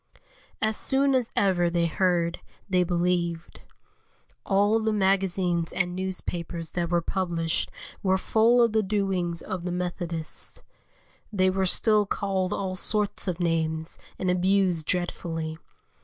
As soon as ever they heard, they believed. All the magazines and newspapers that were published were full of the doings of the Methodists. They were still called all sorts of names and abused dreadfully.